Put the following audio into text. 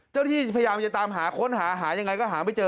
ที่พยายามจะตามหาค้นหาหายังไงก็หาไม่เจอ